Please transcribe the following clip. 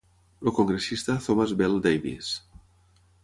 El congressista Thomas Beall Davis.